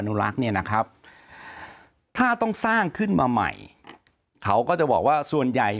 รักษ์เนี่ยนะครับถ้าต้องสร้างขึ้นมาใหม่เขาก็จะบอกว่าส่วนใหญ่